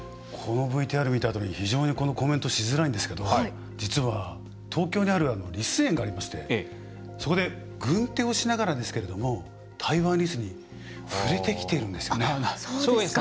このＶＴＲ見たあとに非常にコメントしづらいんですけど実は、東京にあるリス園がありましてそこで軍手をしながらですけどもタイワンリスに触れてきてるんですよ。